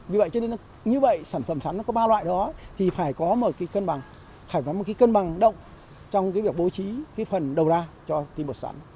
vì vậy như vậy sản phẩm sắn có ba loại đó thì phải có một cân bằng động trong việc bố trí phần đầu ra cho tiền bột sắn